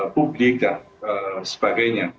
publik dan sebagainya